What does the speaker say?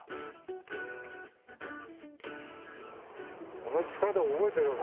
この地下道覚えてるか？